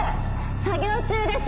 作業中です。